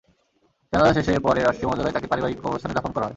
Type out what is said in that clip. জানাজা শেষে পরে রাষ্ট্রীয় মর্যাদায় তাঁকে পারিবারিক কবরস্থানে দাফন করা হয়।